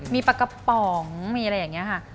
มีปลากระป๋องมีอะไรอย่างนี้ค่ะ